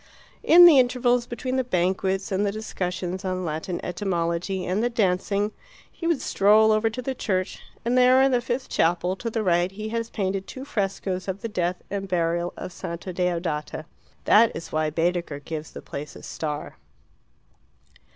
In the intervals between the banquets and the discussions on Latin etymology and the dancing, he would stroll over to the church, and there in the fifth chapel to the right he has painted two frescoes of the death and burial of Santa Deodata. That is why Baedeker gives the place a star.